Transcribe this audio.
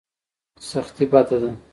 سختي بد دی.